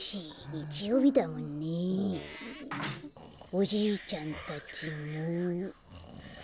おじいちゃんたちも。